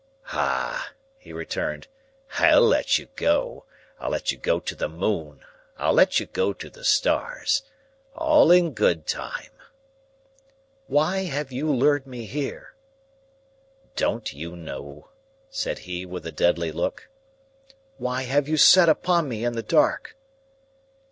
"Ah!" he returned, "I'll let you go. I'll let you go to the moon, I'll let you go to the stars. All in good time." "Why have you lured me here?" "Don't you know?" said he, with a deadly look. "Why have you set upon me in the dark?"